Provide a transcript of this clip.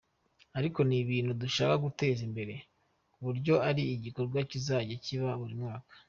ariko ni ibintu dushaka guteza imbere kuburyo ari igikorwa kizajya kiba buri mwaka.